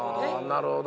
なるほど。